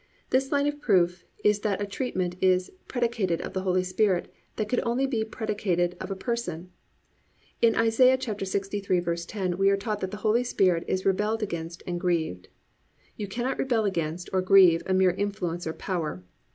This line of proof is that a treatment is predicated of the Holy Spirit that could only be predicated of a person. In Isa. 63:10 we are taught that the Holy Spirit is rebelled against and grieved. You cannot rebel against or grieve a mere influence or power.